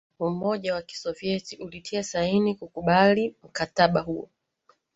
umoja wa kisovyeti ulitia saini kukubali mkataba huo